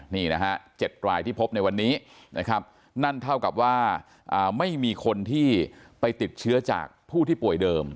นี่นะฮะ๗รายที่พบในวันนี้นะครับนั่นเท่ากับว่าไม่มีคนที่ไปติดเชื้อจากผู้ที่ป่วยเดิม